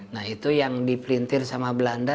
nah itu yang dipelintir sama belanda